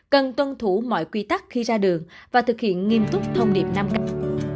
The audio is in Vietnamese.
cần tuân thủ mọi quy tắc khi ra đường và thực hiện nghiêm túc thông điệp nam cạnh